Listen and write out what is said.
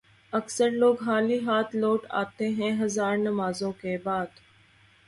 اکثر لوگ خالی ہاتھ لوٹ آتے ہیں ہزار نمازوں کے بعد